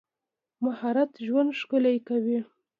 مهارت ژوند ښکلی کوي.